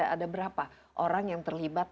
ada berapa orang yang terlibat